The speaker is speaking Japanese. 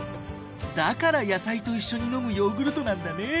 だから野菜と一緒にのむヨーグルトなんだね！